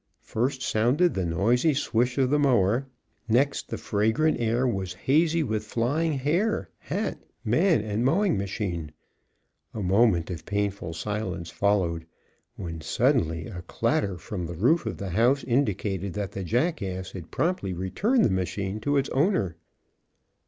First sounded the noisy swish of the mower, next the fragrant air was hazy with flying hair, hat, man and mowing machine. A moment of painful silence followed, when suddenly a clatter from the roof of the house indicated that the jackass had promptly returned the machine to its owner.